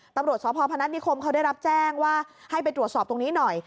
ตำรวจสพพนัฐนิคมเขาได้รับแจ้งว่าให้ไปตรวจสอบตรงนี้หน่อย